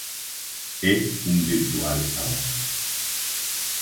E un virtual abrazo.